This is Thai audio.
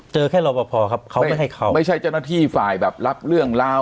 เจอแค่รอปภครับเขาไม่ใช่เขาไม่ใช่เจ้าหน้าที่ฝ่ายแบบรับเรื่องราว